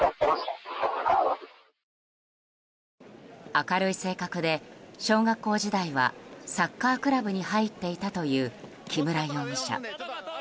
明るい性格で小学校時代はサッカークラブに入っていたという木村容疑者。